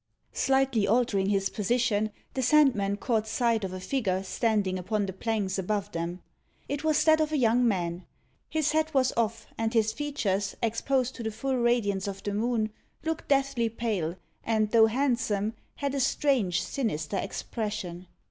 Slightly altering his position, the Sandman caught sight of a figure standing upon the planks above them. It was that of a young man. His hat was off, and his features, exposed to the full radiance of the moon, looked deathly pale, and though handsome, had a strange sinister expression.